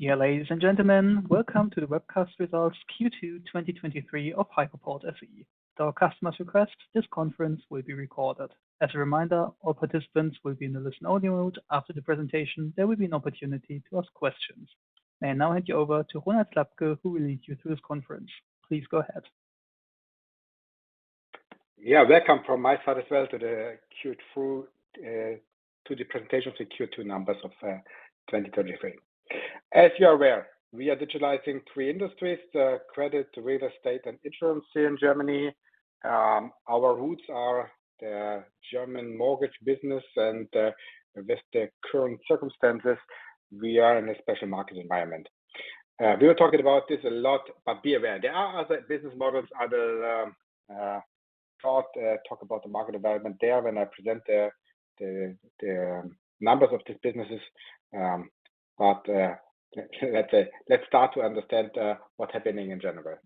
Yeah, ladies and gentlemen, welcome to the webcast results Q2 2023 of Hypoport SE. At our customer's request, this conference will be recorded. As a reminder, all participants will be in a listen-only mode. After the presentation, there will be an opportunity to ask questions. I now hand you over to Ronald Slabke, who will lead you through this conference. Please go ahead. Yeah, welcome from my side as well to the Q2, to the presentation of the Q2 numbers of 2023. As you are aware, we are digitalizing three industries: the credit, real estate, and insurance here in Germany. Our roots are the German mortgage business, and with the current circumstances, we are in a special market environment. We were talking about this a lot, but be aware, there are other business models. I will talk about the market development there when I present the numbers of these businesses. But let's start to understand what's happening in general.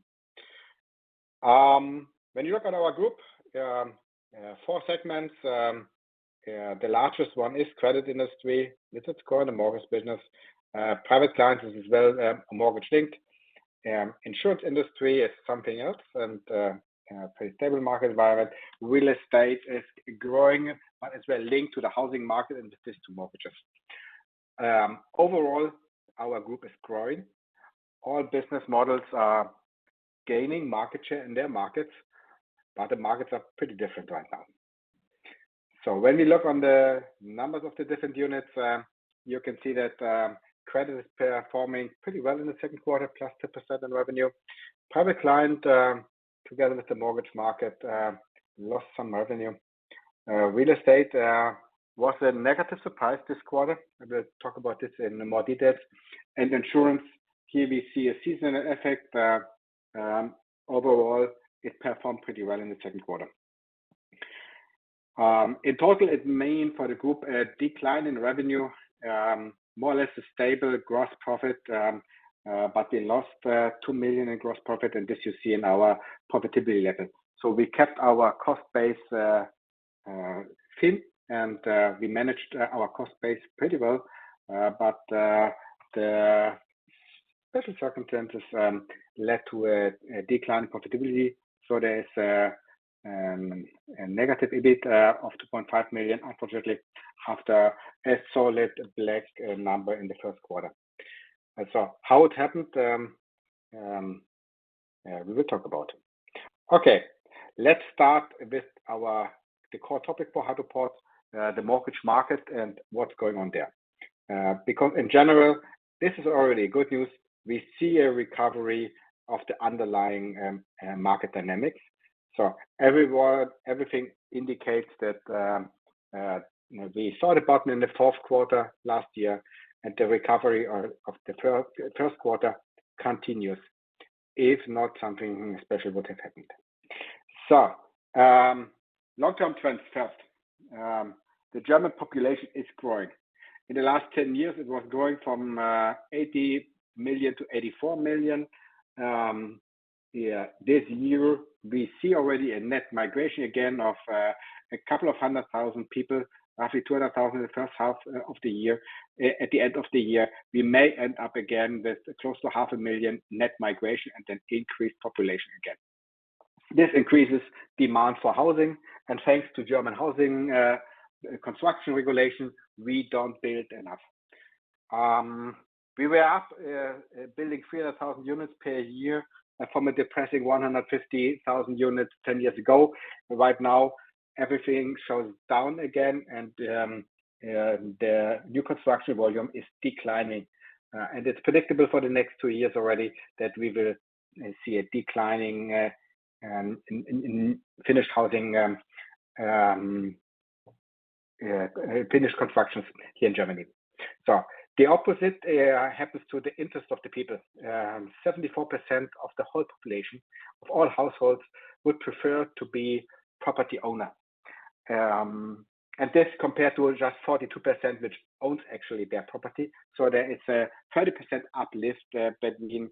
When you look at our group, four segments, the largest one is credit industry. This is core in the mortgage business. Private clients as well are mortgage-linked. Insurance industry is something else, pretty stable market environment. Real estate is growing, it's very linked to the housing market, and this is to mortgages. Overall, our group is growing. All business models are gaining market share in their markets, the markets are pretty different right now. When we look on the numbers of the different units, you can see that credit is performing pretty well in the second quarter, +2% in revenue. Private client, together with the mortgage market, lost some revenue. Real estate was a negative surprise this quarter. We'll talk about this in more details. Insurance, here we see a seasonal effect, overall, it performed pretty well in the second quarter. In total, it mean for the group a decline in revenue, more or less a stable gross profit, but we lost 2 million in gross profit, and this you see in our profitability level. We kept our cost base thin, and we managed our cost base pretty well, but the special circumstances led to a decline in profitability. There is a negative EBIT of 2.5 million, unfortunately, after a solid black number in the first quarter. How it happened, we will talk about. Okay, let's start with our the core topic for Hypoport, the mortgage market and what's going on there. In general, this is already good news. We see a recovery of the underlying market dynamics. Everyone, everything indicates that we saw the bottom in the fourth quarter last year, and the recovery of, of the first, first quarter continues, if not something special would have happened. Long-term trends first. The German population is growing. In the last 10 years, it was growing from 80 million to 84 million. This year we see already a net migration again of a couple of hundred thousand people, roughly 200,000 in the first half of the year. At the end of the year, we may end up again with close to 500,000 net migration and then increased population again. This increases demand for housing, and thanks to German housing construction regulations, we don't build enough. We were up building 300,000 units per year from a depressing 150,000 units 10 years ago. Right now, everything shows down again, the new construction volume is declining, and it's predictable for the next two years already that we will see a declining in finished housing finished constructions here in Germany. The opposite happens to the interest of the people. 74% of the whole population, of all households, would prefer to be property owner. This compared to just 42%, which owns actually their property. There is a 30% uplift between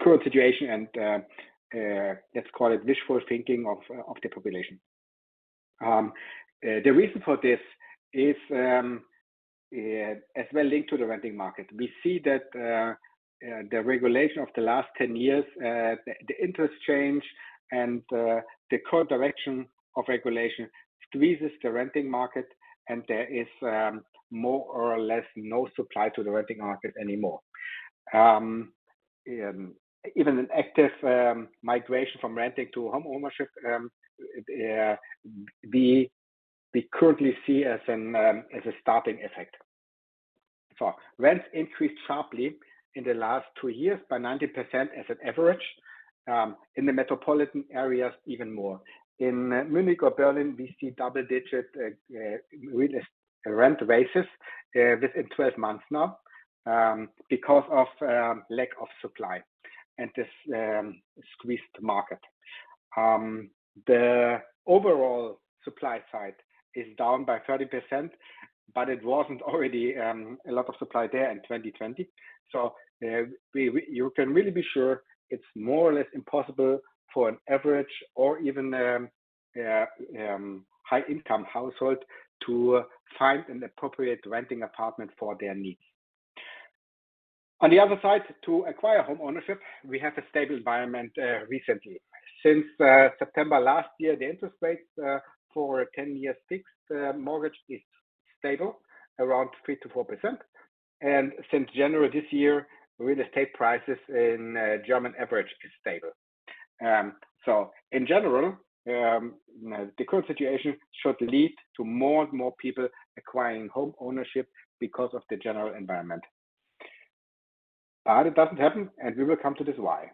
current situation and let's call it wishful thinking of the population. The reason for this is as well linked to the renting market. We see that the regulation of the last 10 years, the interest change and the current direction of regulation squeezes the renting market, and there is more or less no supply to the renting market anymore. Even an active migration from renting to homeownership, we currently see as an as a starting effect. Rents increased sharply in the last two years by 90% as an average in the metropolitan areas, even more. In Munich or Berlin, we see double-digit rent raises within 12 months now because of lack of supply, and this squeezed the market. The overall supply side is down by 30%, but it wasn't already a lot of supply there in 2020. You can really be sure it's more or less impossible for an average or even high income household to find an appropriate renting apartment for their needs. On the other side, to acquire homeownership, we have a stable environment recently. Since September last year, the interest rates for a 10-year fixed mortgage is stable around 3% to 4%, and since January this year, real estate prices in German average is stable. In general, you know, the current situation should lead to more and more people acquiring homeownership because of the general environment. It doesn't happen, and we will come to this why.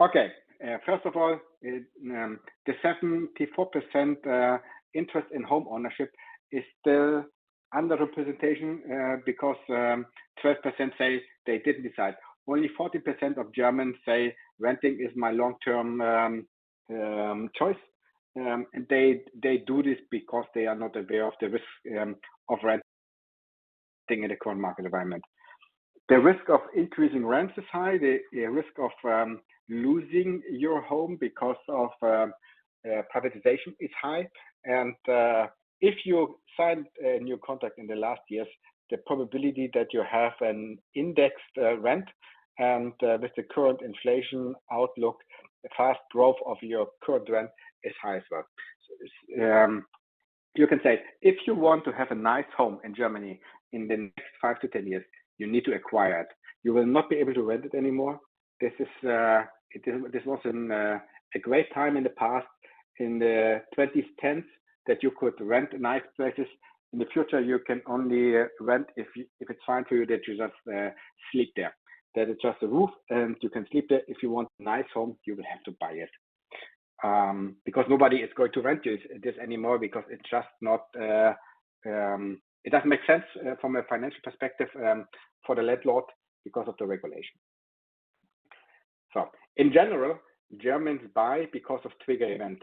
Okay, first of all, the 74% interest in home ownership is still underrepresentation, because 12% say they didn't decide. Only 40% of Germans say renting is my long-term choice, and they, they do this because they are not aware of the risk of rent staying in the current market environment. The risk of increasing rents is high, the, the risk of losing your home because of privatization is high, and if you signed a new contract in the last years, the probability that you have an indexed rent and with the current inflation outlook, the fast growth of your current rent is high as well. You can say, if you want to have a nice home in Germany in the next five to 10 years, you need to acquire it. You will not be able to rent it anymore. This was a great time in the past, in the 2010s, that you could rent nice places. In the future, you can only rent if it's fine to you, that you just sleep there. That is just a roof, and you can sleep there. If you want a nice home, you will have to buy it, because nobody is going to rent you this anymore because it's just not. It doesn't make sense from a financial perspective for the landlord because of the regulation. In general, Germans buy because of trigger event.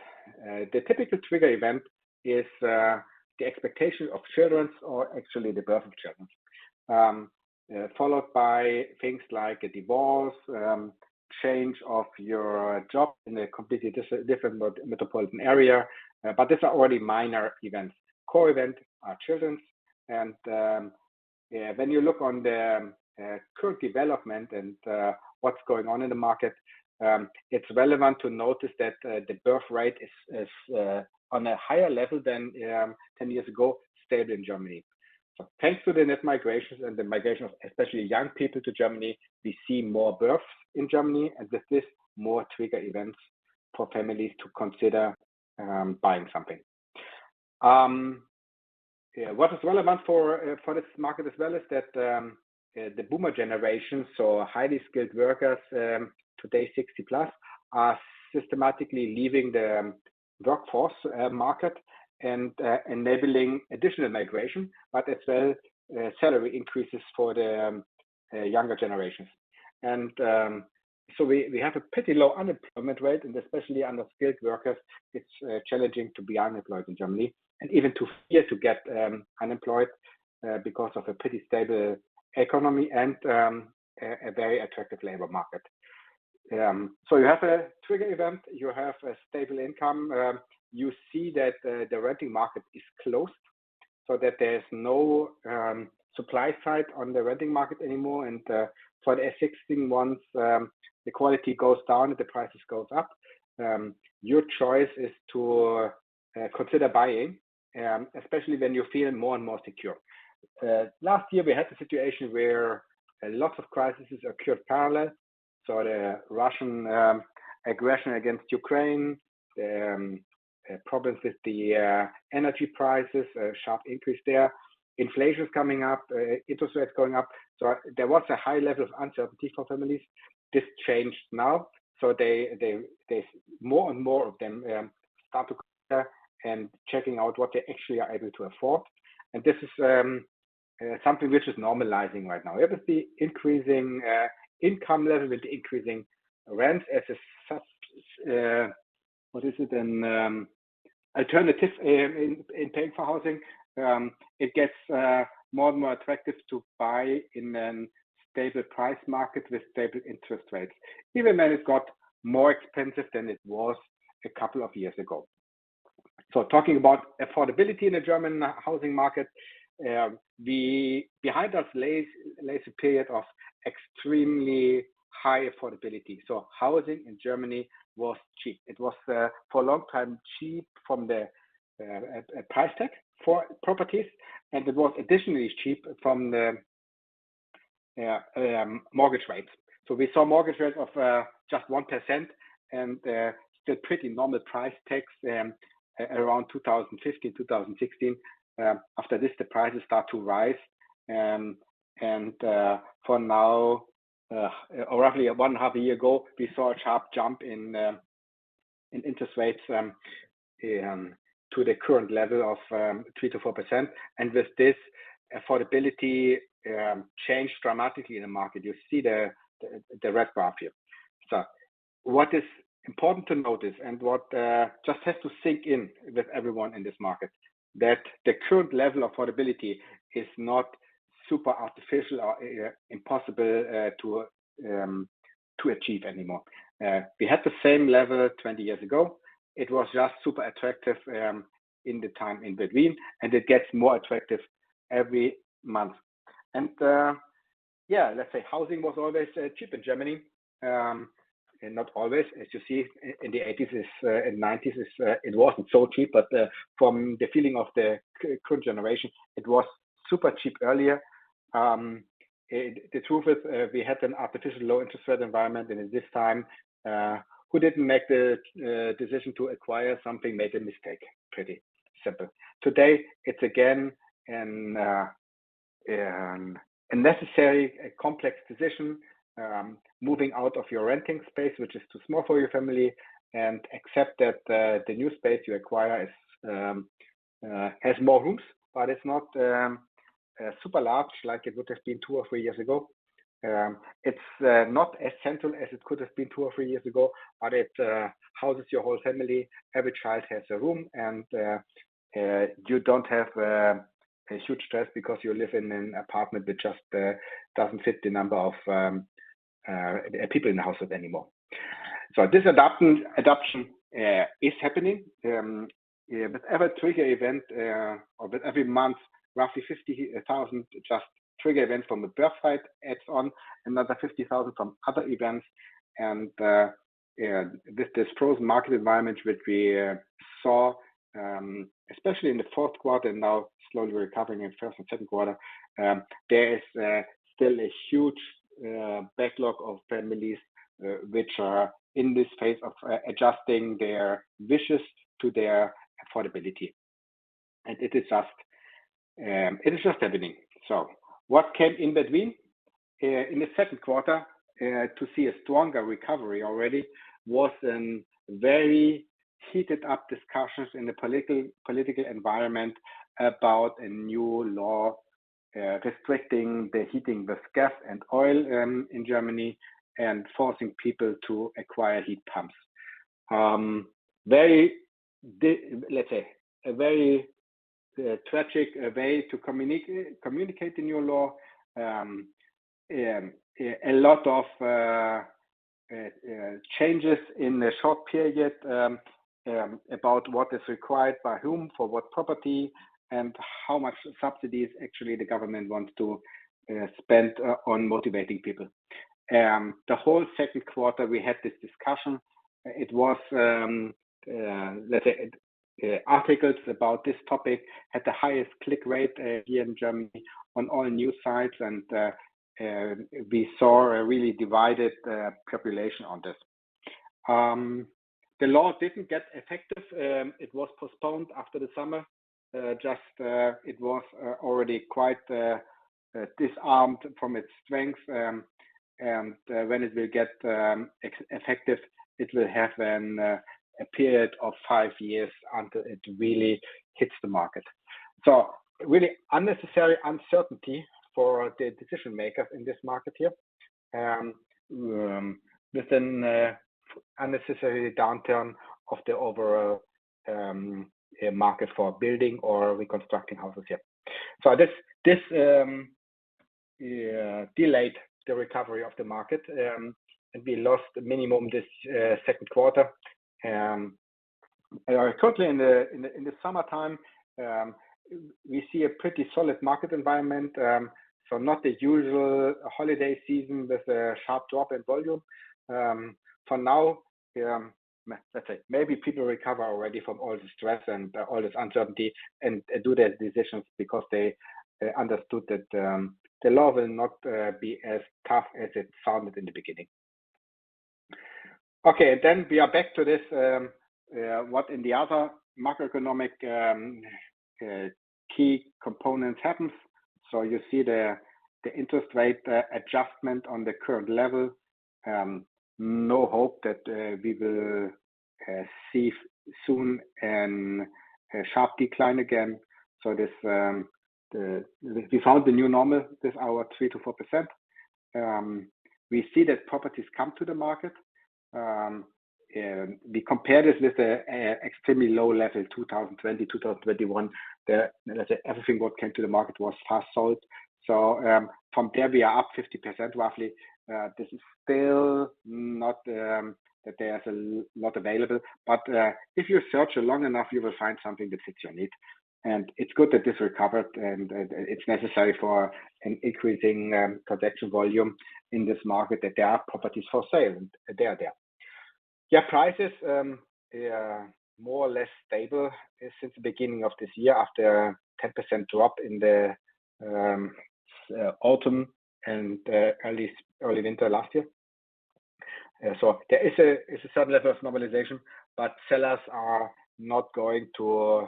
The typical trigger event is the expectation of children or actually the birth of children, followed by things like a divorce, change of your job in a completely different metropolitan area, but these are already minor events. Core event are children and when you look on the current development and what's going on in the market, it's relevant to notice that the birth rate is on a higher level than 10 years ago, stable in Germany. Thanks to the net migration and the migration of especially young people to Germany, we see more births in Germany, and with this, more trigger events for families to consider buying something. What is relevant for this market as well is that the boomer generation, so highly skilled workers, today 60+, are systematically leaving the workforce market and enabling additional migration, but as well, salary increases for the younger generation. We have a pretty low unemployment rate, and especially under skilled workers, it's challenging to be unemployed in Germany and even to fear to get unemployed because of a pretty stable economy and a very attractive labor market. You have a trigger event, you have a stable income, you see that the renting market is closed so that there's no supply side on the renting market anymore, and for the existing ones, the quality goes down, and the prices goes up. Your choice is to consider buying, especially when you're feeling more and more secure. Last year we had a situation where a lot of crises occurred parallel, the Russian aggression against Ukraine, the problems with the energy prices, a sharp increase there. Inflation is coming up, interest rates going up, there was a high level of uncertainty for families. This changed now, they, they, there's more and more of them start to consider and checking out what they actually are able to afford, and this is something which is normalizing right now. With the increasing income level, with the increasing rent as a such, what is it? Alternative in, in, in paying for housing, it gets more and more attractive to buy in an stable price market with stable interest rates, even when it's got more expensive than it was a couple of years ago. Talking about affordability in the German housing market, the behind us lays, lays a period of extremely high affordability. Housing in Germany was cheap. It was for a long time, cheap from the price tag for properties, and it was additionally cheap from the mortgage rates. We saw mortgage rates of just 1% and still pretty normal price tags around 2015, 2016. After this, the prices start to rise, and for now, or roughly 1.5 years ago, we saw a sharp jump in interest rates to the current level of 3% to 4%, and with this, affordability changed dramatically in the market. You see the red bar here. What is important to notice and what just has to sink in with everyone in this market, that the current level of affordability is not super artificial or impossible to achieve anymore. We had the same level 20 years ago. It was just super attractive in the time in between, and it gets more attractive every month. Yeah, let's say housing was always cheap in Germany. Not always, as you see in the '80s and '90s, it wasn't so cheap, but from the feeling of the current generation, it was super cheap earlier. The truth is, we had an artificially low interest rate environment, and in this time, who didn't make the decision to acquire something made a mistake. Pretty simple. Today, it's again, a necessary, a complex decision, moving out of your renting space, which is too small for your family, and accept that the new space you acquire is has more rooms, but it's not super large like it would have been two or three years ago. It's not as central as it could have been two or three years ago, but it houses your whole family, every child has a room, and you don't have a huge stress because you live in an apartment that just doesn't fit the number of people in the household anymore. This adaption, adaption, is happening, yeah, but every trigger event, or every month, roughly 50,000, just trigger event from the birth side adds on another 50,000 from other events, and this, this frozen market environment, which we saw, especially in the fourth quarter, now slowly recovering in first and second quarter, there is still a huge backlog of families, which are in this phase of adjusting their wishes to their affordability, and it is just, it is just happening. What came in between. In the second quarter, to see a stronger recovery already was an very heated up discussions in the political, political environment about a new law restricting the heating with gas and oil in Germany and forcing people to acquire heat pumps. Very, let's say, a very tragic way to communicate the new law. A lot of changes in the short period about what is required by whom, for what property, and how much subsidies actually the government wants to spend on motivating people. The whole second quarter, we had this discussion, it was, let's say, articles about this topic had the highest click rate here in Germany on all news sites, and we saw a really divided population on this. The law didn't get effective. It was postponed after the summer. Just, it was already quite disarmed from its strength, and when it will get effective, it will have a period of five years until it really hits the market. Really unnecessary uncertainty for the decision maker in this market here, with an unnecessary downturn of the overall market for building or reconstructing houses here. This, this delayed the recovery of the market, and we lost minimum this second quarter. Currently in the, in the, in the summertime, we see a pretty solid market environment, so not the usual holiday season with a sharp drop in volume. For now, let's say maybe people recover already from all the stress and all this uncertainty and do their decisions because they, they understood that the law will not be as tough as it sounded in the beginning. Then we are back to this, what in the other macroeconomic key components happens. You see the, the interest rate adjustment on the current level, no hope that we will see soon an, a sharp decline again. This we found the new normal, this our 3% to 4%. We see that properties come to the market, and we compare this with a, a extremely low level, 2020, 2021, the, let's say everything what came to the market was fast sold. From there, we are up 50%, roughly. This is still not that there is a lot available, but if you search long enough, you will find something that fits your need. It's good that this recovered, and, and it's necessary for an increasing transaction volume in this market, that there are properties for sale, and they are there. Yeah, prices, more or less stable since the beginning of this year, after a 10% drop in the autumn and early, early winter last year. There is a subtle level of normalization, but sellers are not going to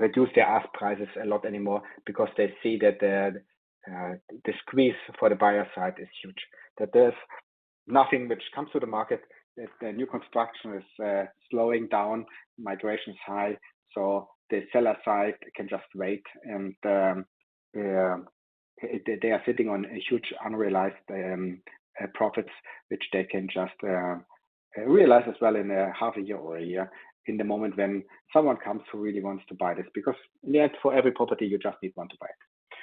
reduce their ask prices a lot anymore because they see that the decrease for the buyer side is huge, that there's nothing which comes to the market. The new construction is slowing down, migration is high, the seller side can just wait, and they are sitting on a huge unrealized profits, which they can just realize as well in a half a year or a year, in the moment when someone comes who really wants to buy this, because, yeah, for every property, you just need one to buy it.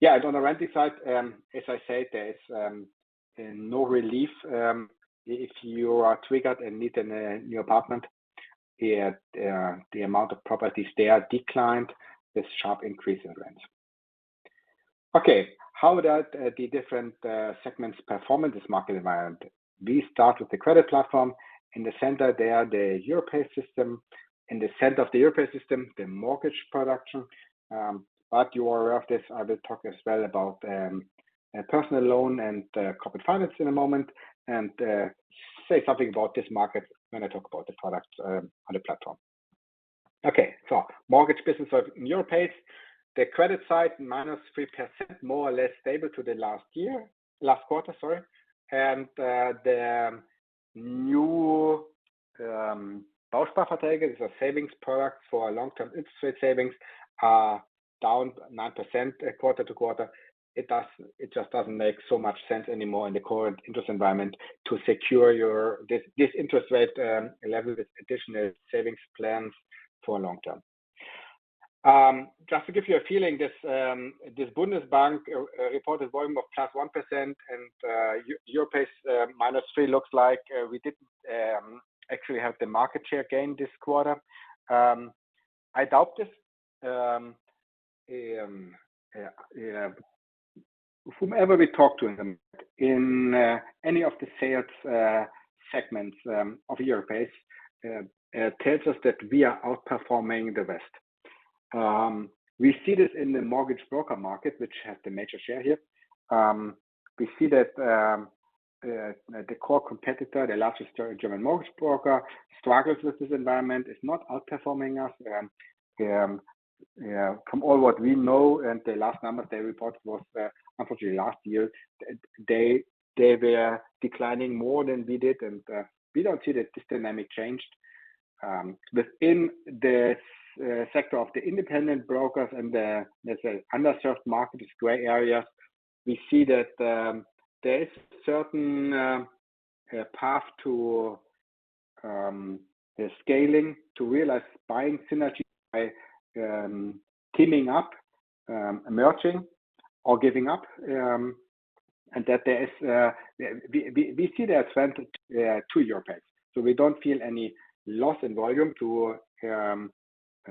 Yeah, on the renting side, as I said, there is no relief. If you are triggered and need a new apartment, the amount of properties there declined with sharp increase in rent. Okay, how about the different segments perform in this market environment? We start with the credit platform. In the center there, the Europace system. In the center of the Europace system, the mortgage production. You are aware of this, I will talk as well about personal loan and corporate finance in a moment, and say something about this market when I talk about the products on the platform. Okay, mortgage business of Europace, the credit side, -3%, more or less stable to the last year, last quarter, sorry. The new Sparkonto is a savings product for long-term interest rate savings, are down 9% quarter-over-quarter. It just doesn't make so much sense anymore in the current interest environment to secure your. This, this interest rate level with additional savings plans for long term. Just to give you a feeling, this Bundesbank reported volume of +1% and Europace -3% looks like we did actually have the market share gain this quarter. I doubt this. Yeah, whomever we talk to in any of the sales segments of Europace tells us that we are outperforming the rest. We see this in the mortgage broker market, which has the major share here. We see that the core competitor, the largest German mortgage broker, struggles with this environment, is not outperforming us. Yeah, from all what we know, and the last number they reported was, unfortunately, last year, they, they were declining more than we did, and we don't see that this dynamic changed. Within the sector of the independent brokers and the, let's say, underserved market is gray area, we see that there is certain path to scaling, to realize buying synergy by teaming up, merging or giving up. That there is,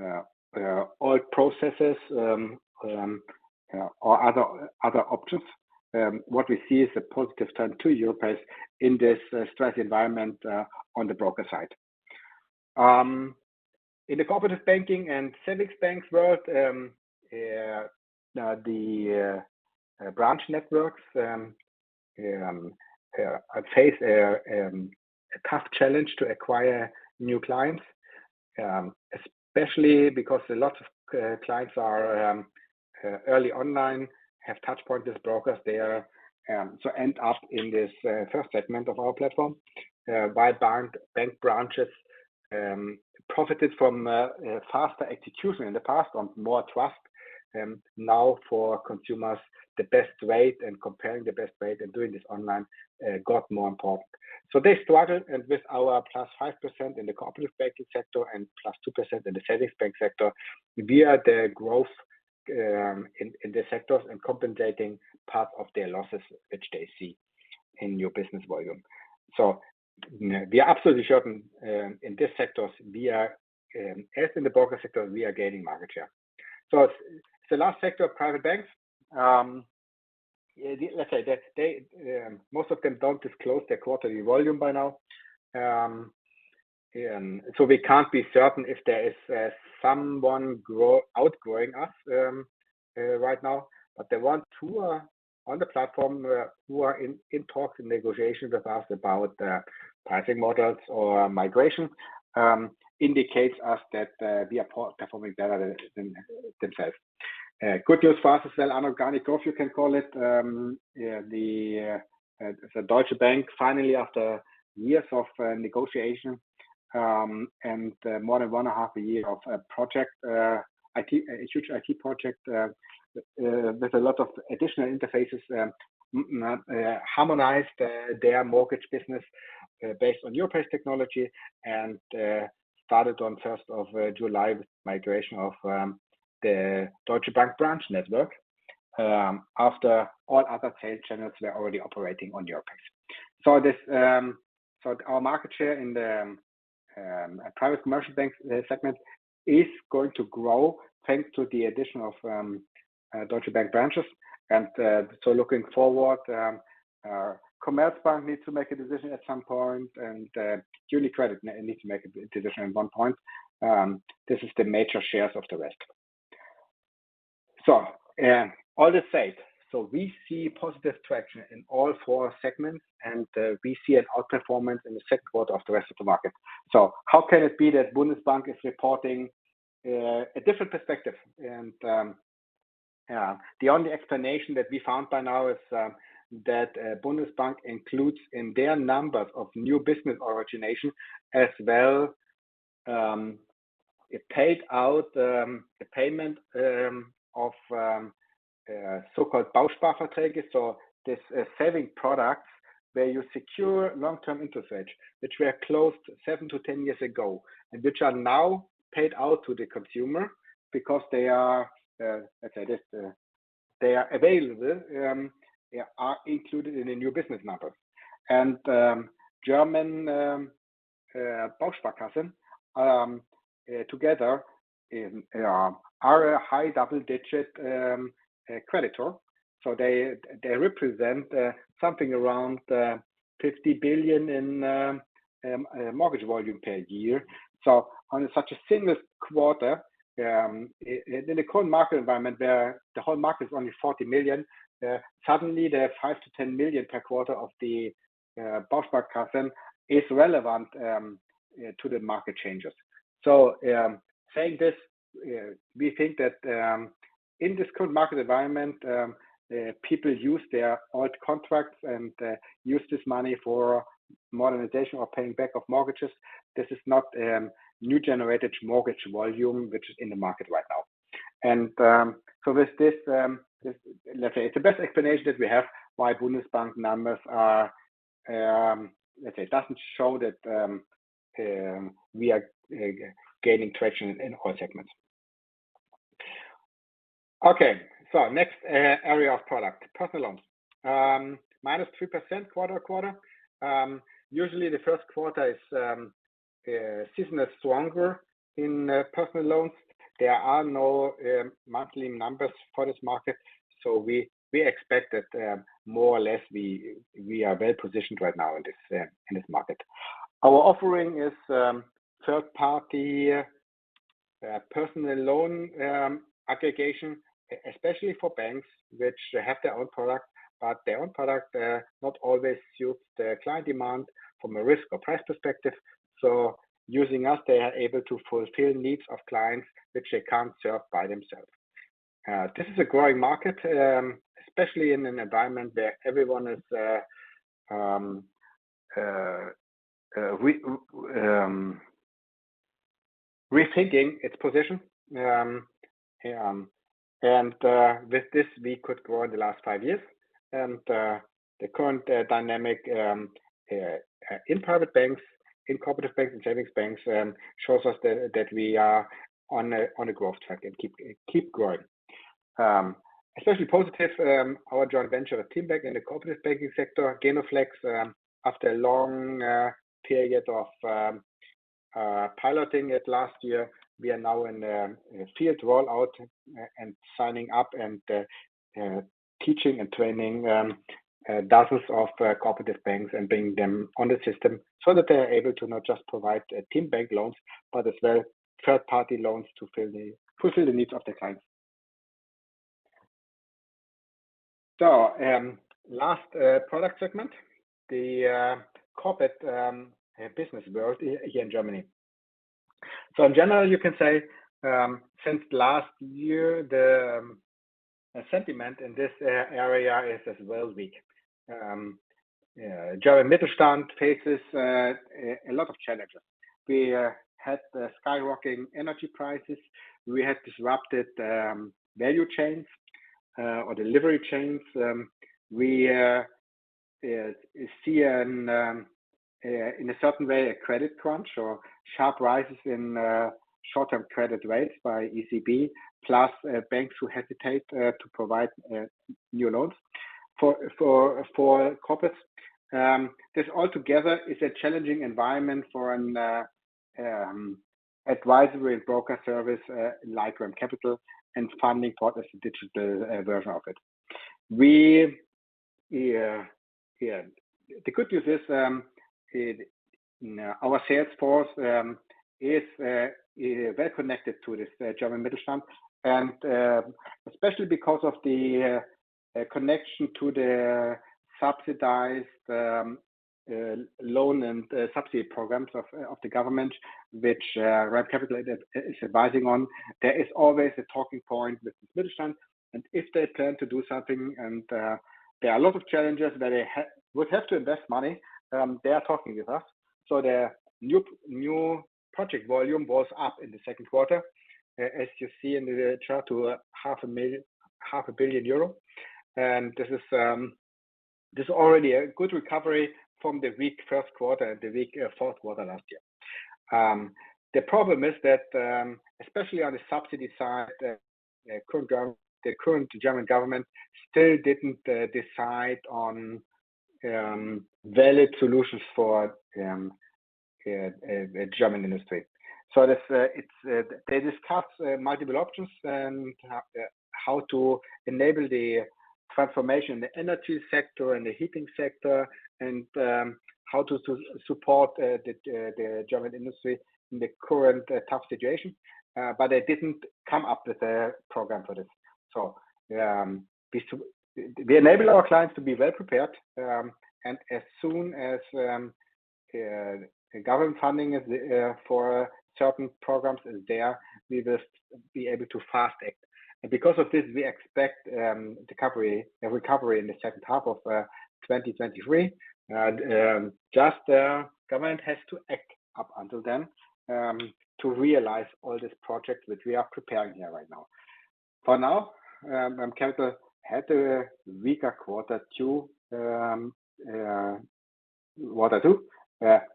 we, we, we see that trend to Europace, so we don't feel any loss in volume to old processes or other, other options. What we see is a positive turn to Europace in this stress environment on the broker side. In the cooperative banking and savings banks world, the branch networks face a tough challenge to acquire new clients, especially because a lot of clients are early online, have touchpoint with brokers there, so end up in this first segment of our platform. While bank branches profited from faster execution in the past on more trust, now for consumers, the best rate and comparing the best rate and doing this online got more important. They struggle, and with our +5% in the cooperative banking sector and +2% in the savings bank sector, we are the growth in the sectors and compensating part of their losses, which they see in new business volume. We are absolutely certain in these sectors, we are as in the broker sector, we are gaining market share. The last sector, private banks, let's say that they most of them don't disclose their quarterly volume by now. We can't be certain if there is someone outgrowing us right now. But the ones who are on the platform, who are in talks and negotiations with us about pricing models or migration, indicates us that we are performing better than themselves. Good news for us as well, organic growth, you can call it. Yeah, the Deutsche Bank, finally, after years of negotiation, and more than 1.5 years of a project, a huge IT project, with a lot of additional interfaces, harmonized their mortgage business, based on Europace technology, and started on first of July with migration of the Deutsche Bank branch network, after all other sales channels were already operating on Europace. This, so our market share in the private commercial bank segment is going to grow thanks to the addition of Deutsche Bank branches. So looking forward, Commerzbank needs to make a decision at some point, and UniCredit needs to make a decision at one point. This is the major shares of the rest. All is said, so we see positive traction in all four segments, and we see an outperformance in the second quarter of the rest of the market. How can it be that Bundesbank is reporting a different perspective? Yeah, the only explanation that we found by now is that Bundesbank includes in their numbers of new business origination as well, it paid out the payment of so-called Bausparverträge. This saving products, where you secure long-term interest rates, which were closed seven to 10 years ago, and which are now paid out to the consumer because they are, let's say this, they are available, they are included in the new business models. German Bausparkassen together in are a high double-digit creditor. They, they represent something around 50 billion in mortgage volume per year. On such a seamless quarter, in the current market environment, where the whole market is only 40 million, suddenly, the 5 million to 10 million per quarter of the Bausparkassen is relevant to the market changes. Saying this, we think that in this current market environment, people use their old contracts and use this money for modernization or paying back of mortgages. This is not new generated mortgage volume, which is in the market right now. With this, let's say it's the best explanation that we have why Bundesbank numbers are. Let's say, it doesn't show that we are gaining traction in all segments. Next area of product: personal loans. Minus 2% quarter to quarter. Usually, the first quarter is seasonally stronger in personal loans. There are no monthly numbers for this market, we expect that more or less, we are well-positioned right now in this market. Our offering is third-party personal loan aggregation, especially for banks, which have their own product, but their own product not always suits their client demand from a risk or price perspective. Using us, they are able to fulfill needs of clients, which they can't serve by themselves. This is a growing market, especially in an environment where everyone is rethinking its position. With this, we could grow in the last five years, and the current dynamic in private banks, in cooperative banks, in savings banks, shows us that, that we are on a growth track and keep, keep growing. Especially positive, our joint venture with TeamBank and the Cooperative Banking Sector, Genoflex, after a long period of piloting it last year, we are now in a field rollout and signing up and teaching and training dozens of cooperative banks and bringing them on the system so that they are able to not just provide TeamBank loans, but as well, third-party loans to fulfill the needs of their clients. Last product segment, the corporate business world here in Germany. In general, you can say, since last year, the sentiment in this area is as well weak. German Mittelstand faces a lot of challenges. We had the skyrocketing energy prices, we had disrupted value chains or delivery chains. We see an in a certain way, a credit crunch or sharp rises in short-term credit rates by ECB, plus banks who hesitate to provide new loans. For, for, for corporates, this altogether is a challenging environment for an advisory broker service like REM CAPITAL and FUNDINGPORT as a digital version of it. We, yeah. The good news is, it our sales force is well connected to this German Mittelstand. Especially because of the connection to the subsidized loan and subsidy programs of, of the government, which REM CAPITAL is, is advising on, there is always a talking point with the Mittelstand. If they plan to do something and there are a lot of challenges where they would have to invest money, they are talking with us. The new, new project volume was up in the second quarter, as you see in the chart, to 500 million. This is already a good recovery from the weak first quarter and the weak fourth quarter last year. The problem is that, especially on the subsidy side, the current government, the current German government still didn't decide on valid solutions for German industry. That's, it's. They discussed multiple options and how to enable the transformation in the energy sector and the heating sector, and how to support the German industry in the current tough situation. They didn't come up with a program for this. We enable our clients to be well prepared, and as soon as government funding is for certain programs is there, we will be able to fast act. Because of this, we expect recovery, a recovery in the second half of 2023. Just the government has to act up until then to realize all these projects which we are preparing here right now. For now, Capital had a weaker quarter two.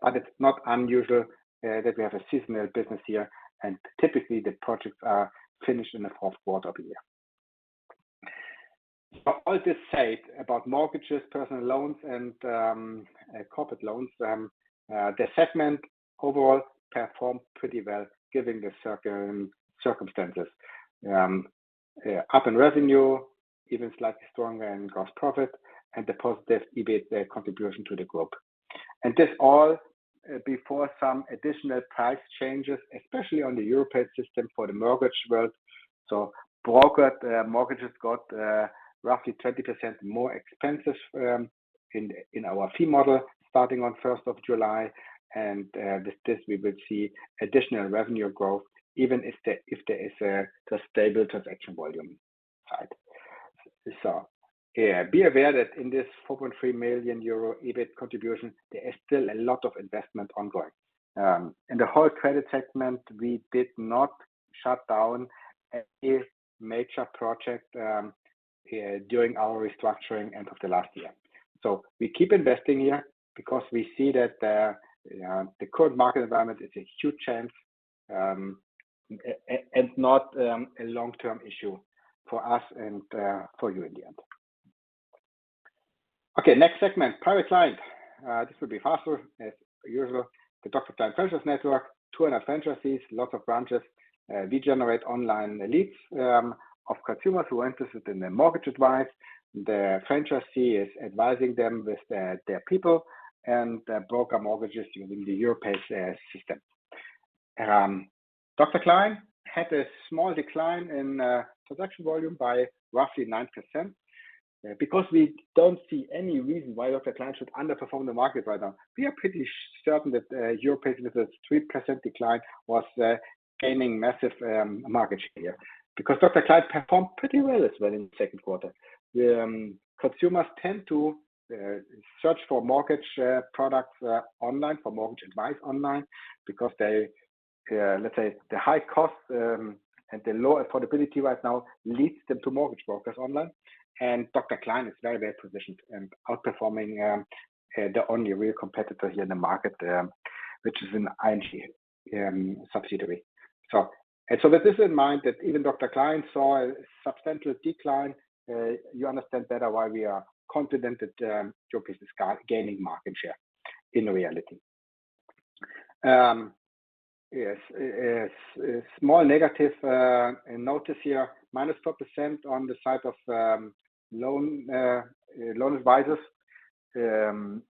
It's not unusual that we have a seasonal business here, and typically, the projects are finished in the fourth quarter of the year. All this said about mortgages, personal loans, and corporate loans, the segment overall performed pretty well, given the circumstances. Up in revenue, even slightly stronger in gross profit and the positive EBIT contribution to the group. This all before some additional price changes, especially on the Europace system for the mortgage world. Broker mortgages got roughly 20% more expensive in our fee model, starting on first of July, with this, we will see additional revenue growth, even if there is a stable transaction volume side. Be aware that in this 4.3 million euro EBIT contribution, there is still a lot of investment ongoing. In the whole credit segment, we did not shut down any major project during our restructuring end of the last year. We keep investing here because we see that the current market environment is a huge chance and not a long-term issue for us and for you in the end. Okay, next segment, private client. This will be faster as usual. The Dr. Klein Franchise Network, 200 franchisees, lots of branches. We generate online leads of consumers who are interested in the mortgage advice. The franchisee is advising them with their people and the broker mortgages within the Europace system. Dr. Klein had a small decline in transaction volume by roughly 9%. Because we don't see any reason why Dr. Klein should underperform the market right now, we are pretty certain that Europace, with a 3% decline, was gaining massive market share. Because, Dr. Klein performed pretty well as well in the second quarter. The consumers tend to search for mortgage products online, for mortgage advice online because they, let's say, the high cost and the low affordability right now leads them to mortgage brokers online. Dr. Klein is very, very positioned and outperforming the only real competitor here in the market, which is an ING subsidiary. With this in mind, that even Dr. Klein saw a substantial decline, you understand better why we are confident that your business is gaining market share in reality. Yes, a, a, a small negative notice here, minus 4% on the side of loan advisors in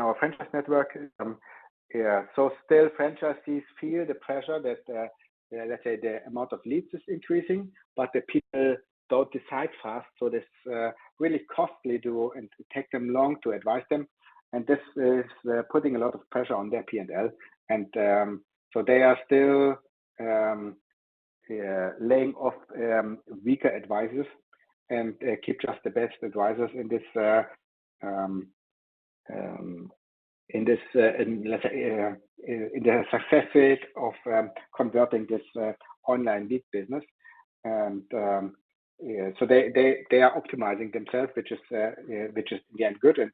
our franchise network. Yeah, still, franchisees feel the pressure that let's say the amount of leads is increasing, but the people don't decide fast, so this really costly to and take them long to advise them, and this is putting a lot of pressure on their P&L. They are still laying off weaker advisors and keep just the best advisors let's say in the success rate of converting this online lead business. They, they, they are optimizing themselves, which is, which is, again, good and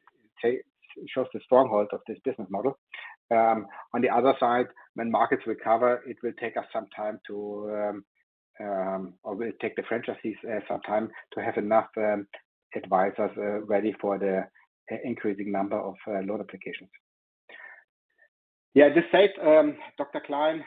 shows the stronghold of this business model. On the other side, when markets recover, it will take us some time, or will take the franchisees some time to have enough advisors ready for the increasing number of loan applications. This said, Dr. Klein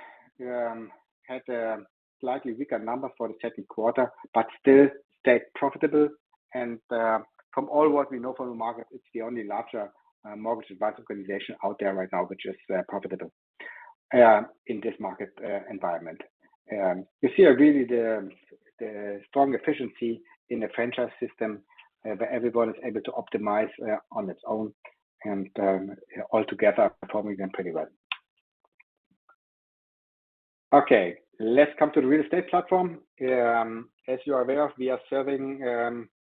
had a slightly weaker number for the second quarter, but still stayed profitable, and from all what we know from the market, it's the only larger mortgage advice organization out there right now, which is profitable in this market environment. You see really the strong efficiency in the franchise system, where everyone is able to optimize on its own and all together, performing them pretty well. Let's come to the real estate platform. As you are aware of, we are serving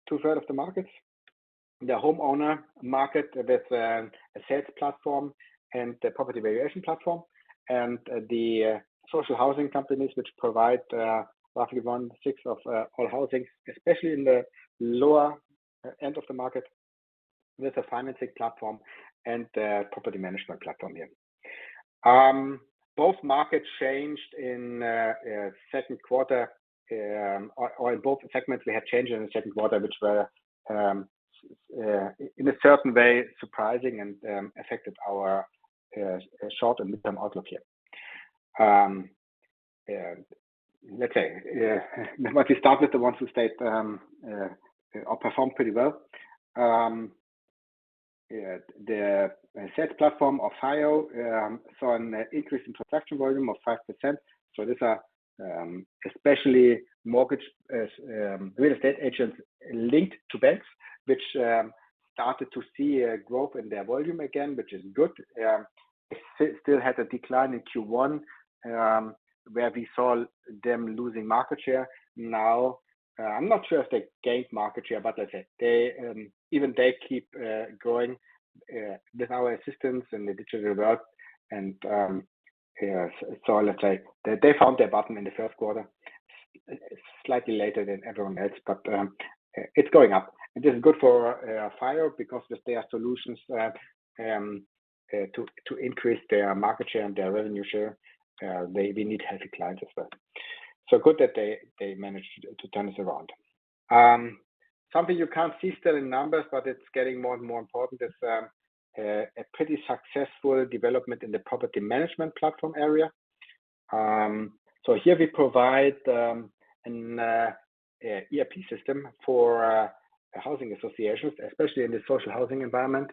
two-thirds of the markets. The homeowner market with a sales platform and the property valuation platform, and the social housing companies, which provide roughly one-sixth of all housing, especially in the lower end of the market, with a financing platform and a property management platform here. Both markets changed in second quarter, or, or in both segments, we had changes in the second quarter, which were in a certain way, surprising and affected our short- and medium-term outlook here. Let's say, let me start with the ones who stayed or performed pretty well. Yeah, the sales platform of FIO saw an increase in transaction volume of 5%. These are especially mortgage real estate agents linked to banks, which started to see a growth in their volume again, which is good. It still, still had a decline in Q1, where we saw them losing market share. I'm not sure if they gained market share, but let's say they even they keep growing with our assistance in the digital world. Let's say they found their bottom in the first quarter, slightly later than everyone else, but it's going up. This is good for FIO, because if they have solutions to increase their market share and their revenue share, they need healthy clients as well. Good that they managed to turn this around. Something you can't see still in numbers, but it's getting more and more important, is a pretty successful development in the property management platform area. Here we provide an ERP system for housing associations, especially in the social housing environment.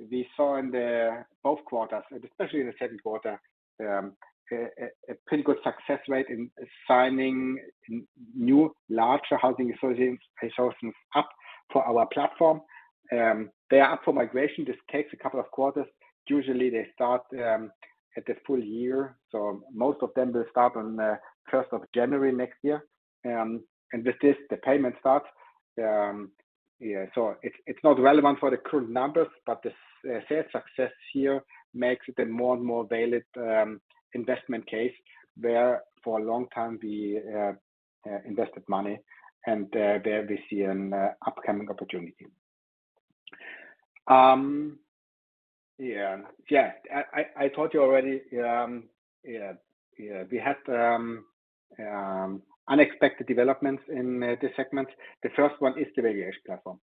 We saw in the both quarters, and especially in the second quarter, a pretty good success rate in signing new, larger housing associations up for our platform. They are up for migration. This takes a couple of quarters. Usually, they start at the full year, most of them will start on first of January next year. With this, the payment starts. Yeah, it's, it's not relevant for the current numbers, but the sales success here makes it a more and more valid investment case, where for a long time, we invested money, and there we see an upcoming opportunity. Yeah. Yeah, I, I, I told you already, yeah, yeah, we had unexpected developments in this segment. The first one is the valuation platform.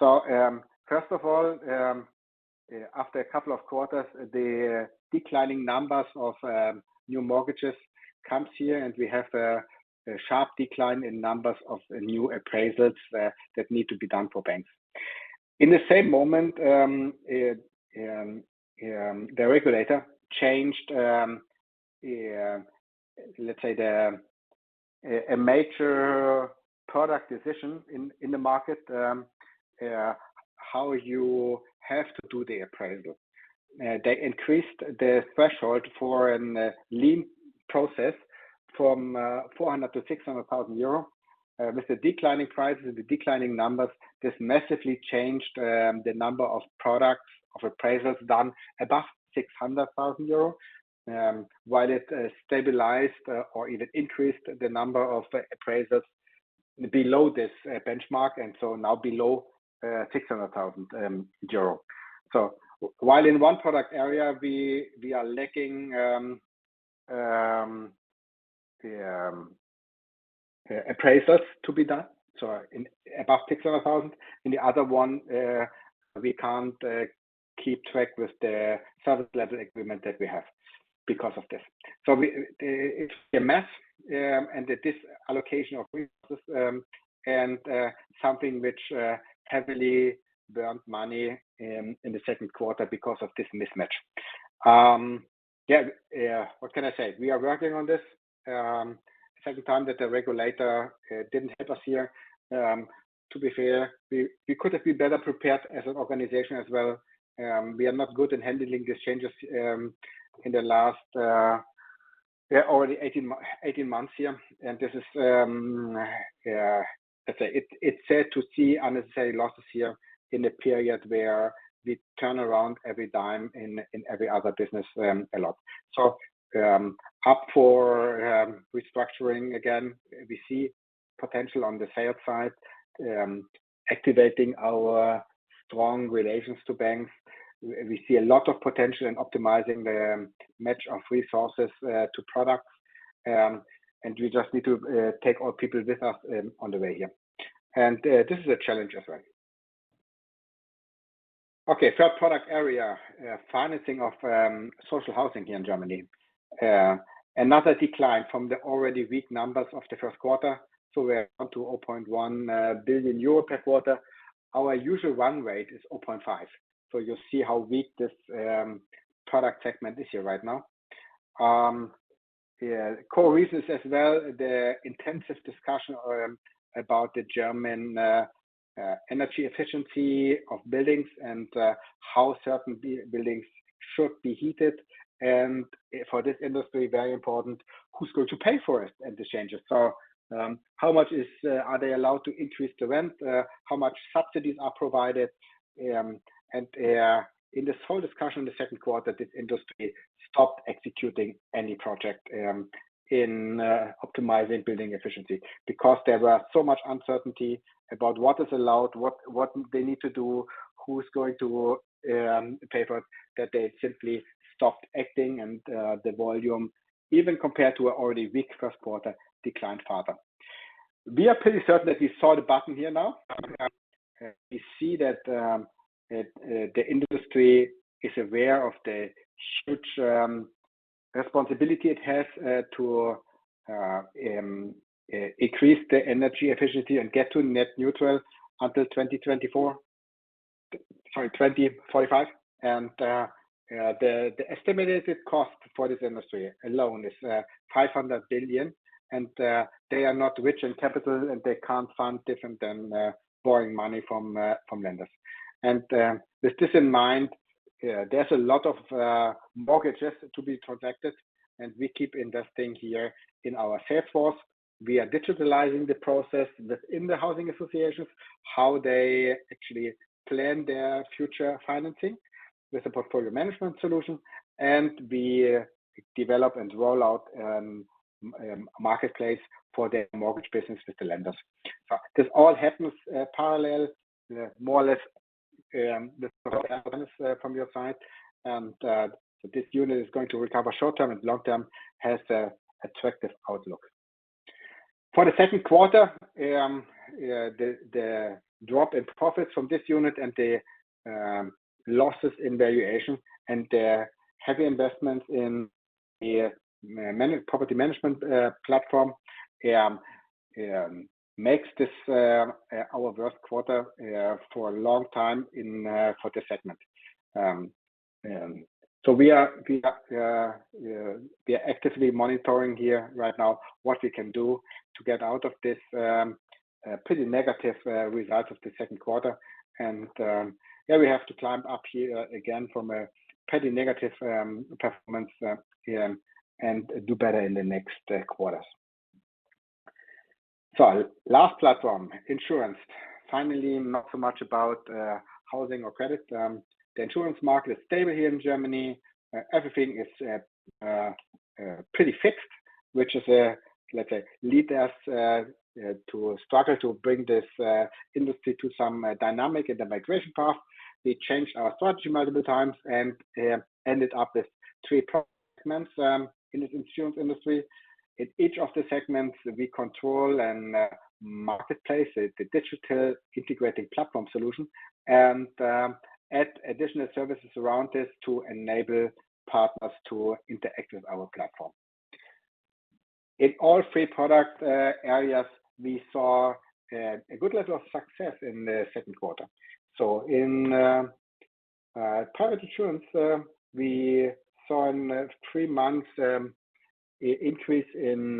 First of all, after a couple of quarters, the declining numbers of new mortgages comes here, and we have a sharp decline in numbers of new appraisals that need to be done for banks. In the same moment, the regulator changed, let's say, a major product decision in the market, how you have to do the appraisal. They increased the threshold for a lean process from 400,000 to 600,000 euro. With the declining prices and the declining numbers, this massively changed the number of products, of appraisals done above 600,000 euro, while it stabilized or even increased the number of appraisals below this benchmark, and now below 600,000 euro. While in one product area, we, we are lacking appraisals to be done, so in above 600,000, in the other one, we can't keep track with the Service Level Agreement that we have because of this. We it's a mess, and this allocation of resources, and something which heavily burned money in the second quarter because of this mismatch. Yeah, yeah, what can I say? We are working on this. Second time that the regulator didn't help us here. To be fair, we, we could have been better prepared as an organization as well. We are not good in handling these changes in the last already 18 months here, and this is. Let's say, it's sad to see unnecessary losses here in a period where we turn around every dime in, in every other business a lot. Up for restructuring, again, we see potential on the sales side, activating our strong relations to banks. We see a lot of potential in optimizing the match of resources to products, and we just need to take our people with us on the way here. This is a challenge as well. Okay, third product area, financing of social housing here in Germany. Another decline from the already weak numbers of the first quarter, we are down to 0.1 billion euro per quarter. Our usual run rate is 0.5 billion, you see how weak this product segment is here right now. Yeah, core reasons as well, the intensive discussion about the German energy efficiency of buildings and how certain buildings should be heated. For this industry, very important, who's going to pay for it and the changes? How much are they allowed to increase the rent? How much subsidies are provided? In this whole discussion in the second quarter, this industry stopped executing any project in optimizing building efficiency because there was so much uncertainty about what is allowed, what, what they need to do, who's going to pay for it, that they simply stopped acting. The volume, even compared to an already weak first quarter, declined further. We are pretty certain that we saw the bottom here now. We see that the industry is aware of the huge responsibility it has to increase the energy efficiency and get to net neutral until 2024, sorry, 2045. The estimated cost for this industry alone is 500 billion, and they are not rich in capital, and they can't fund different than borrowing money from lenders. With this in mind, there's a lot of mortgages to be protected, and we keep investing here in our sales force. We are digitalizing the process within the housing associations, how they actually plan their future financing with a portfolio management solution, and we develop and roll out marketplace for their mortgage business with the lenders. This all happens parallel, more or less, from your side, and this unit is going to recover short term, and long term has a attractive outlook. For the second quarter, the drop in profits from this unit and the losses in valuation and the heavy investments in the property management platform makes this our worst quarter for a long time in for this segment. We are actively monitoring here right now what we can do to get out of this pretty negative results of the second quarter. We have to climb up here again from a pretty negative performance and do better in the next quarters. Last platform, insurance. Finally, not so much about housing or credit. The insurance market is stable here in Germany. Everything is pretty fixed, which is like a lead us to struggle to bring this industry to some dynamic in the migration path. We changed our strategy multiple times and ended up with three segments in the insurance industry. In each of the segments, we control and marketplace, the digital integrating platform solution, and add additional services around this to enable partners to interact with our platform. In all three product areas, we saw a good level of success in the second quarter. In private insurance, we saw in three months increase in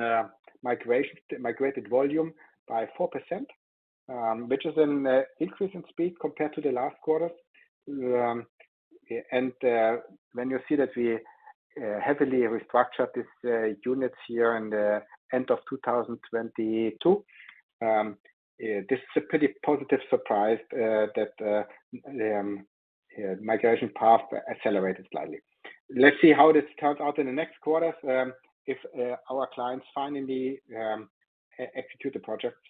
migration, migrated volume by 4%, which is an increase in speed compared to the last quarter. When you see that we heavily restructured this units here in the end of 2022, this is a pretty positive surprise that migration path accelerated slightly. Let's see how this turns out in the next quarters. If our clients finally execute the projects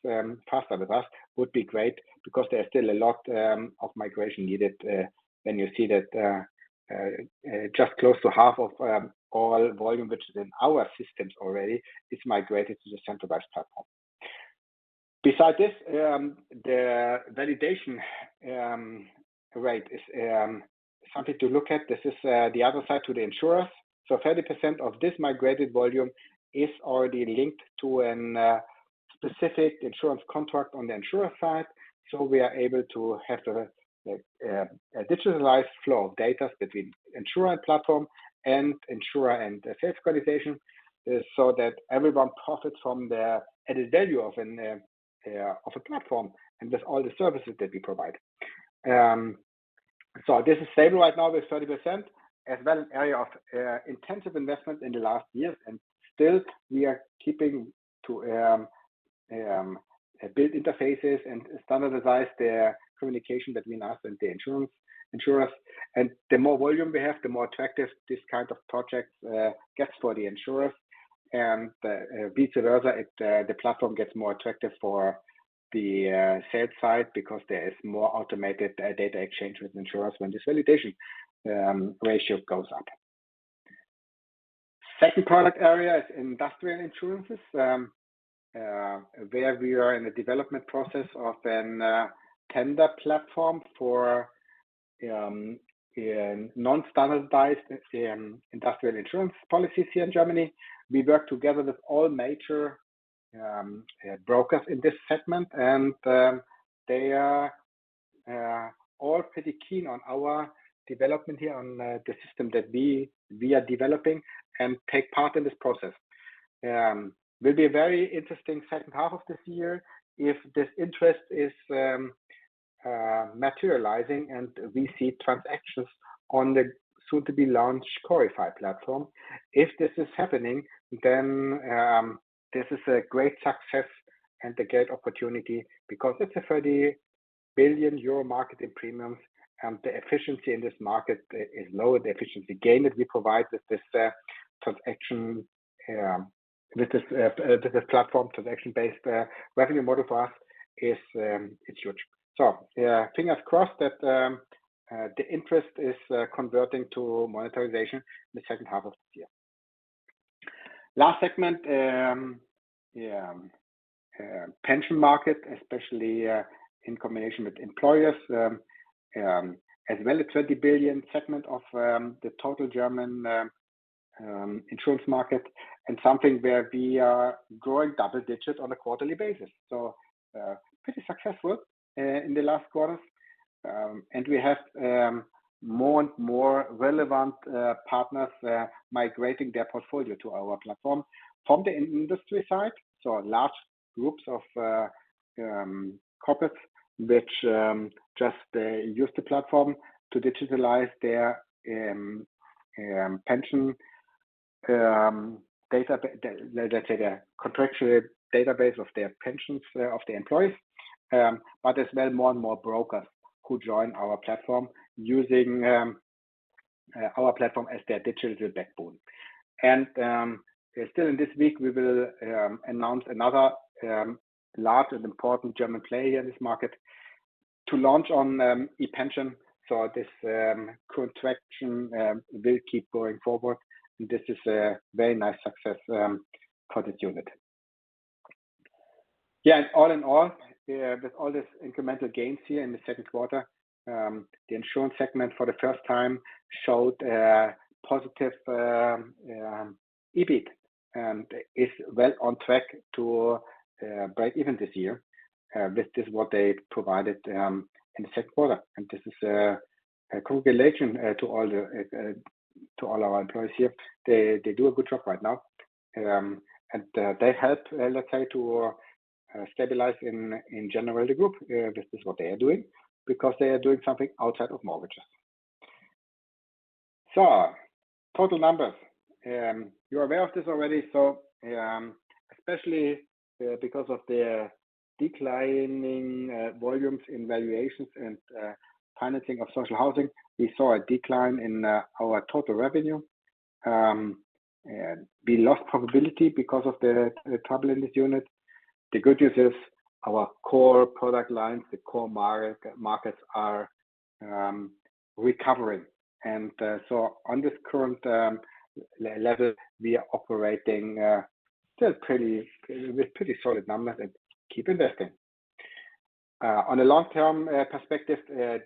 faster with us, would be great because there are still a lot of migration needed when you see that just close to half of all volume, which is in our systems already, is migrated to the centralized platform. Besides this, the validation rate is something to look at. This is the other side to the insurer. 30% of this migrated volume is already linked to an specific insurance contract on the insurer side. We are able to have the a digitalized flow of data between insurer and platform, and insurer and sales qualification, so that everyone profits from the added value of an of a platform and with all the services that we provide. This is stable right now with 30%, as well as area of intensive investment in the last years. Still, we are keeping to build interfaces and standardize their communication between us and the insurance, insurers. The more volume we have, the more attractive this kind of projects gets for the insurers. Vice versa, it the platform gets more attractive for the sales side because there is more automated data exchange with insurers when this validation ratio goes up. Second product area is industrial insurances, where we are in the development process of an tender platform for non-standardized industrial insurance policies here in Germany. We work together with all major brokers in this segment, and they are all pretty keen on our development here on the system that we are developing and take part in this process. Will be a very interesting second half of this year if this interest is materializing and we see transactions on the soon-to-be-launched corify platform. If this is happening, then this is a great success and a great opportunity because it's a 30 billion euro market in premiums, and the efficiency in this market is low. The efficiency gain that we provide with this transaction, with this with this platform, transaction-based revenue model for us is it's huge. Yeah, fingers crossed that the interest is converting to monetization in the second half of this year. Last segment, pension market, especially in combination with employers, as well as 20 billion segment of the total German insurance market, and something where we are growing double digits on a quarterly basis. Pretty successful in the last quarters. We have more and more relevant partners migrating their portfolio to our platform from the industry side. Lastly, groups of corporates, which just use the platform to digitalize their pension database, let's say, the contractual database of their pensions of their employees. As well, more and more brokers who join our platform, using our platform as their digital backbone. Still in this week, we will announce another large and important German player in this market to launch on ePension. This contraction will keep going forward, and this is a very nice success for this unit. All in all, with all this incremental gains here in the second quarter, the insurance segment for the first time showed a positive EBIT, and is well on track to break even this year. This is what they provided in the second quarter, and this is a congratulation to all the to all our employees here. They, they do a good job right now, and they help, let's say, to stabilize in general, the group. This is what they are doing, because they are doing something outside of mortgages. Total numbers. You're aware of this already, especially because of the declining volumes in valuations and financing of social housing, we saw a decline in our total revenue. We lost profitability because of the, the trouble in this unit. The good news is our core product lines, the core markets, are recovering. On this current level, we are operating still pretty, with pretty solid numbers and keep investing. On a long-term perspective,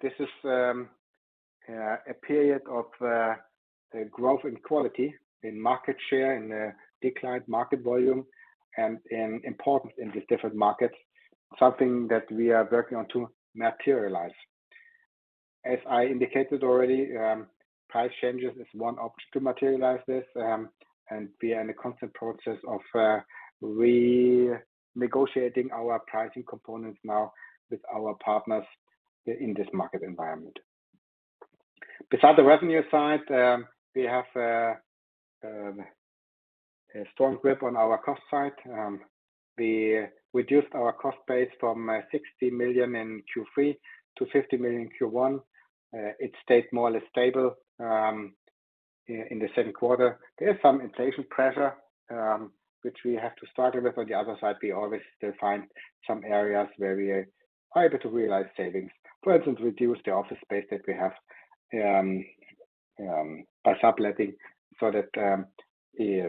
this is a period of growth in quality, in market share, in the declined market volume, and in importance in these different markets, something that we are working on to materialize. As I indicated already, price changes is one option to materialize this. We are in a constant process of renegotiating our pricing components now with our partners in this market environment. Besides the revenue side, we have a strong grip on our cost side. We reduced our cost base from 60 million in Q3 to 50 million in Q1. It stayed more or less stable in the second quarter. There's some inflation pressure, which we have to struggle with. On the other side, we always still find some areas where we are able to realize savings. For instance, reduce the office space that we have by subletting so that we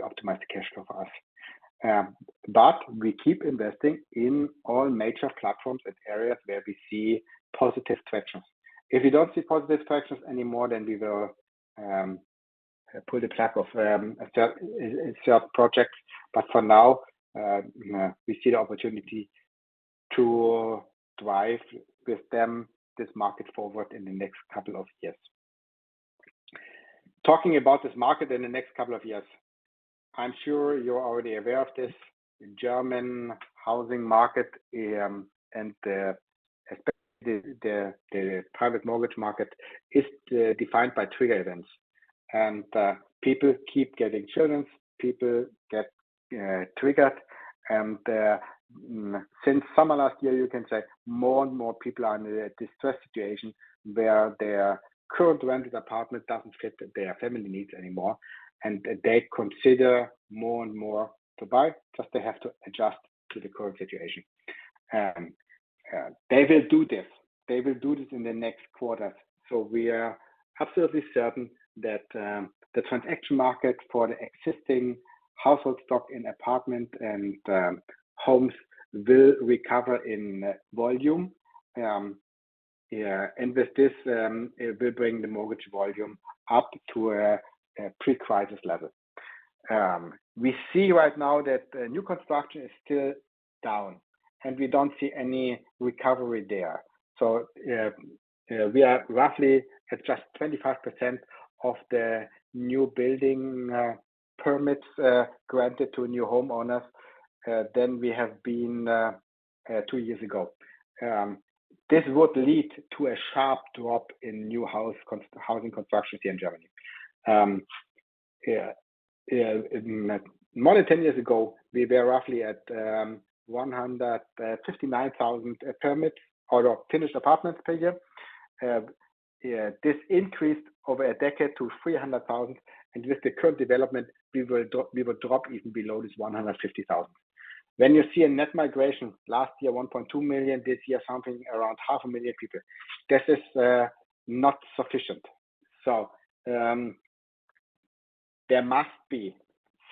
optimize the cash flow for us. We keep investing in all major platforms and areas where we see positive traction. If we don't see positive traction anymore, then we will pull the plug of certain projects. For now, we see the opportunity to drive with them this market forward in the next couple of years. Talking about this market in the next couple of years, I'm sure you're already aware of this. German housing market, especially the private mortgage market, is defined by trigger events. People keep getting children, people get triggered. Since summer last year, you can say more and more people are in a distressed situation where their current rented apartment doesn't fit their family needs anymore, and they consider more and more to buy, plus they have to adjust to the current situation. They will do this. They will do this in the next quarter. We are absolutely certain that the transaction market for the existing household stock in apartment and homes will recover in volume. With this, it will bring the mortgage volume up to a pre-crisis level. We see right now that the new construction is still down, and we don't see any recovery there. We are roughly at just 25% of the new building permits granted to new homeowners than we have been two years ago. This would lead to a sharp drop in new house con- housing construction here in Germany. More than 10 years ago, we were roughly at 159,000 permits or finished apartments per year. This increased over a decade to 300,000. With the current development, we will drop, we will drop even below this 150,000. When you see a net migration, last year, 1.2 million, this year, something around 500,000 people. This is not sufficient. There must be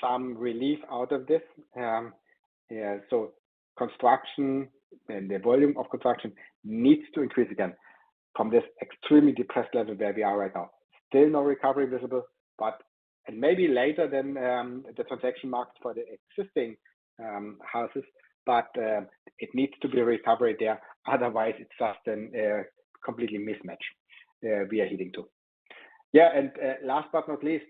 some relief out of this. Construction and the volume of construction needs to increase again from this extremely depressed level where we are right now. Still no recovery visible, maybe later than the transaction market for the existing houses, but it needs to be a recovery there. Otherwise, it's just an completely mismatch we are heading to. Yeah, last but not least.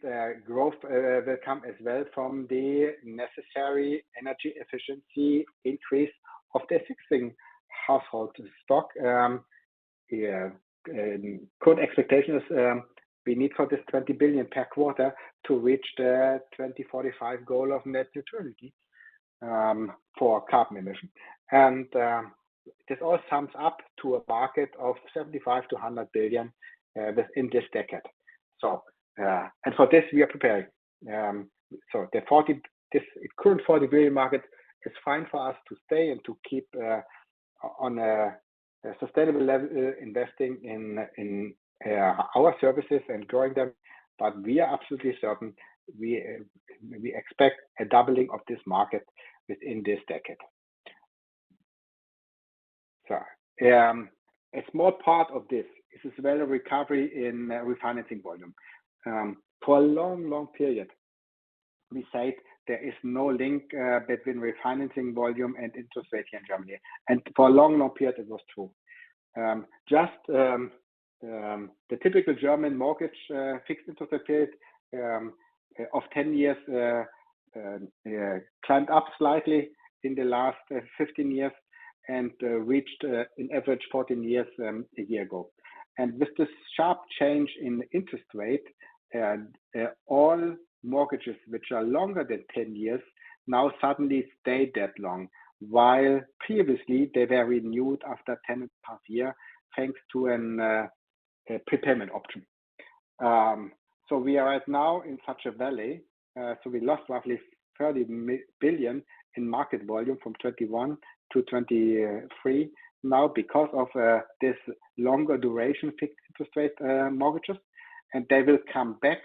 Growth will come as well from the necessary energy efficiency increase of the fixing household stock. Yeah, current expectation is, we need for this 20 billion per quarter to reach the 2045 goal of net neutrality for carbon emission. This all sums up to a market of 75 billion to 100 billion within this decade. For this, we are preparing. The 40, this current 40 billion market is fine for us to stay and to keep on a sustainable level, investing in, in our services and growing them. We are absolutely certain, we, we expect a doubling of this market within this decade. A small part of this is as well a recovery in refinancing volume. For a long, long period, we said there is no link between refinancing volume and interest rate in Germany. For a long, long period, it was true. Just the typical German mortgage fixed interest rate period of 10 years climbed up slightly in the last 15 years and reached an average 14 years a year ago. With this sharp change in interest rate, all mortgages, which are longer than 10 years, now suddenly stay that long, while previously they were renewed after 10 and a half year, thanks to a prepayment option. We are right now in such a valley. We lost roughly 30 billion in market volume from 2021 to 2023. Now, because of this longer duration fixed interest rate mortgages, and they will come back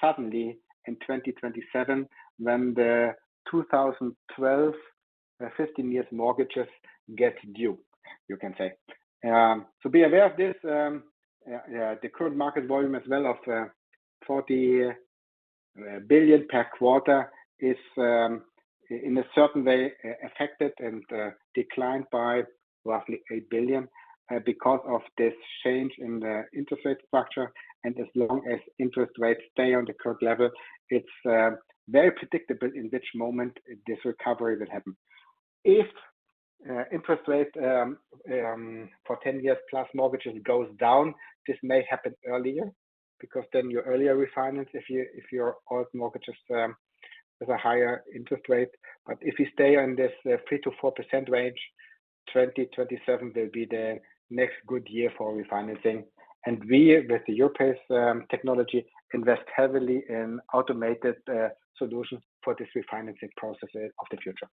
suddenly in 2027 when the 2012, 15 years mortgages get due, you can say. To be aware of this, the current market volume as well of 40 billion per quarter is in a certain way affected and declined by roughly 8 billion because of this change in the interest rate structure. As long as interest rates stay on the current level, it's very predictable in which moment this recovery will happen. If interest rate for 10 years plus mortgages goes down, this may happen earlier, because then you earlier refinance if your old mortgages has a higher interest rate. If you stay on this, 3% to 4% range, 2027 will be the next good year for refinancing. We, with the Europace technology, invest heavily in automated solutions for this refinancing processes of the future.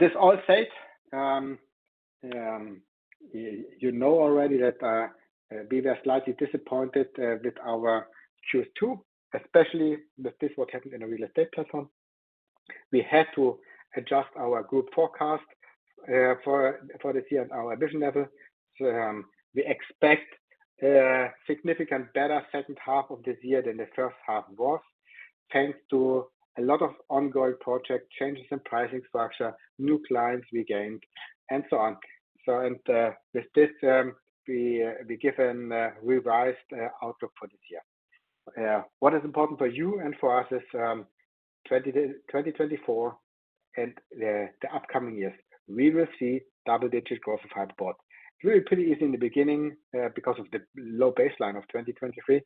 This all said, you know already that we were slightly disappointed with our Q2, especially with this what happened in the real estate platform. We had to adjust our group forecast for this year and our ambition level. We expect a significant better second half of this year than the first half was, thanks to a lot of ongoing project changes in pricing structure, new clients we gained, and so on. With this, we give an revised outlook for this year. What is important for you and for us is 2024 and the upcoming years, we will see double-digit growth of Hypoport. It will be pretty easy in the beginning because of the low baseline of 2023,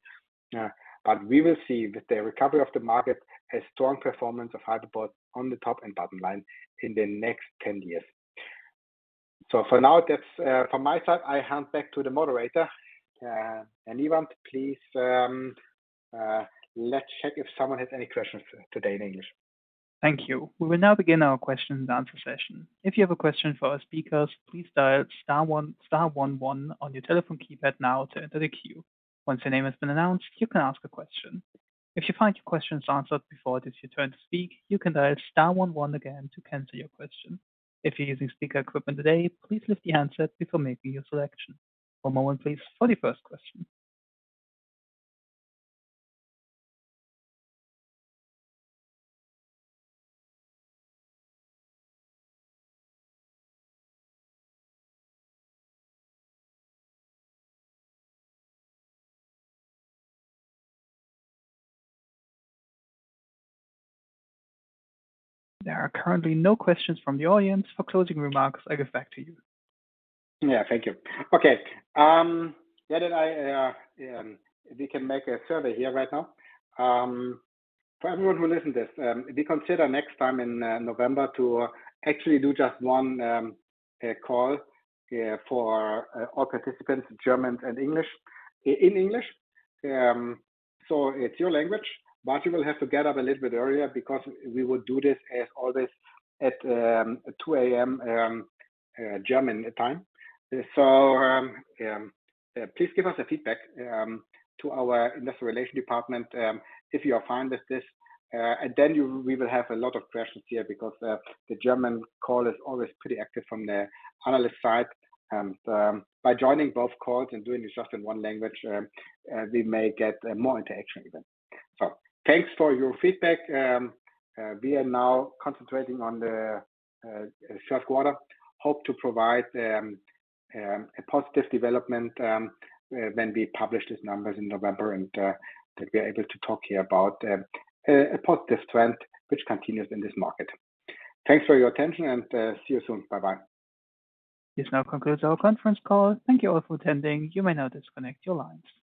but we will see that the recovery of the market has strong performance of Hypoport on the top and bottom line in the next 10 years. For now, that's from my side, I hand back to the moderator. Ivan, please let's check if someone has any questions today in English. Thank you. We will now begin our question and answer session. If you have a question for our speakers, please dial star one, star one one on your telephone keypad now to enter the queue. Once your name has been announced, you can ask a question. If you find your questions answered before it is your turn to speak, you can dial star one one again to cancel your question. If you're using speaker equipment today, please lift the handset before making your selection. One moment, please, for the first question. There are currently no questions from the audience. For closing remarks, I give back to you. Yeah. Thank you. Okay, yeah, and I, we can make a survey here right now. For everyone who listen this, we consider next time in November to actually do just one call for all participants, Germans and English, in English. It's your language, but you will have to get up a little bit earlier because we will do this as always at 2:00 A.M. German time. Please give us a feedback to our industrial relations department if you are fine with this. Then we will have a lot of questions here because the German call is always pretty active from the analyst side. By joining both calls and doing this just in one language, we may get more interaction even. Thanks for your feedback. We are now concentrating on the third quarter. Hope to provide a positive development when we publish these numbers in November, and that we are able to talk here about a positive trend which continues in this market. Thanks for your attention and see you soon. Bye-bye. This now concludes our conference call. Thank you all for attending. You may now disconnect your lines.